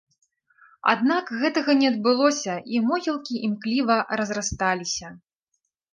Аднак гэтага не адбылося і могілкі імкліва разрасталіся.